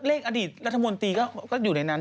เลขอดีตรัฐมนตรีก็อยู่ในนั้น๗๕๕๗